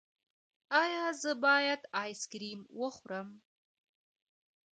ایا زه باید آیسکریم وخورم؟